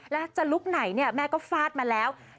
และจะลุคไหนแล้วแม่ก็ฟาดมาแล้ว